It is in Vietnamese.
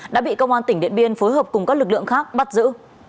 đã bị công an tỉnh điện biên phối hợp cùng các lực lượng khác bắt giữ